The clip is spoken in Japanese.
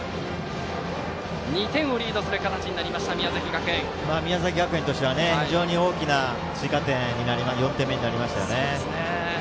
２点をリードする形に宮崎学園としては非常に大きな追加点４点目になりましたね。